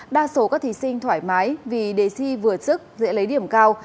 đa số các thí sinh thoải mái vì đề thi vừa sức dễ lấy điểm cao